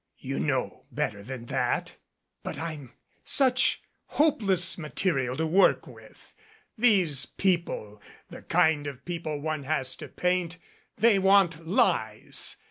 "You know better than that. But I'm such hopeless material to work with. These people, the kind of people 51 MADCAP one has to paint they want lies.